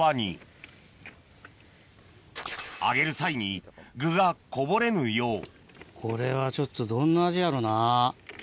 揚げる際に具がこれはちょっとどんな味やろな？